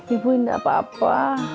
ibu tidak apa apa